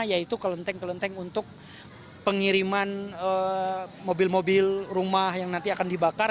yaitu kelenteng kelenteng untuk pengiriman mobil mobil rumah yang nanti akan dibakar